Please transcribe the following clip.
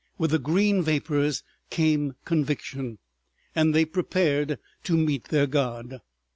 With the green vapors came conviction, and they prepared to meet their God.